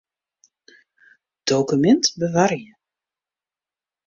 Dokumint bewarje.